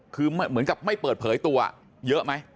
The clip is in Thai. คือเหมือนกับไม่เปิดเผยตัวเยอะไหม